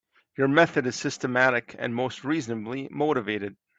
Your method is systematic and mostly reasonably motivated.